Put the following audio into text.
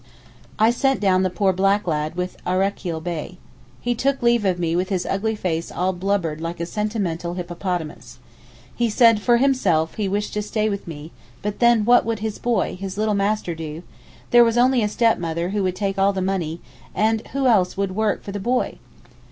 I sent down the poor black lad with Arakel Bey. He took leave of me with his ugly face all blubbered like a sentimental hippopotamus. He said 'for himself, he wished to stay with me, but then what would his boy, his little master do—there was only a stepmother who would take all the money, and who else would work for the boy?